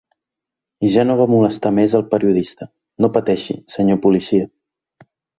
I ja no va molestar més al periodista: No pateixi, senyor policia.